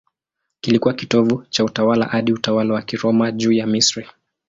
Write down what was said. Kilikuwa kitovu cha utawala hadi utawala wa Kiroma juu ya Misri.